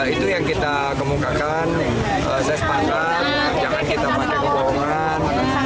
itu yang kita kemukakan sesepatkan jangan kita pakai kebohongan